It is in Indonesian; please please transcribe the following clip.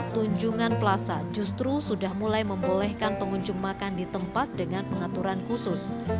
dan plasa justru sudah mulai membolehkan pengunjung makan di tempat dengan pengaturan khusus